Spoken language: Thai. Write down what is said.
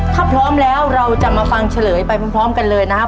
ถ้าพร้อมแล้วเราจะมาฟังเฉลยไปพร้อมกันเลยนะครับ